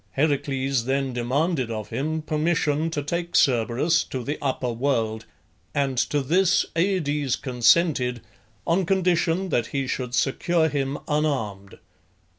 Heracles then demanded of him permission to take Cerberus to the upper world, and to this Aides consented on condition that he should secure him unarmed.